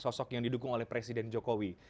sosok yang didukung oleh presiden jokowi